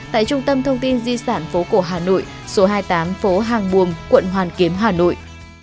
tại trung tâm thông tin di sản phố cổ hà nội số hai mươi tám phố hàng buồm quận hoàn kiếm hà nội